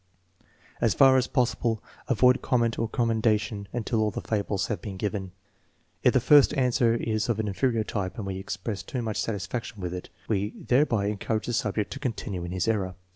As far as possible, avoid comment or commendation until all the fables have been given. If the first answer is of an inferior type and we express too much satisfaction with it, we thereby encourage the subject to continue in his error.